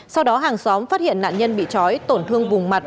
sau đó hàng xóm phát hiện nạn nhân bị chói tổn thương vùng mặt